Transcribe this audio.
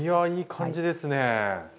いやいい感じですね！